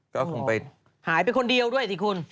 ก็คงไปหายไปคนเดียวด้วยสิคุณ